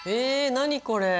何これ！